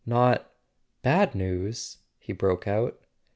"Not—bad news?" he broke out.